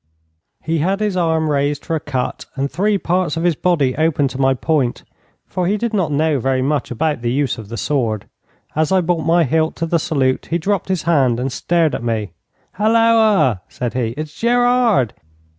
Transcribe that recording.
He had his arm raised for a cut, and three parts of his body open to my point, for he did not know very much about the use of the sword. As I brought my hilt to the salute he dropped his hand and stared at me. 'Halloa!' said he. 'It's Gerard!'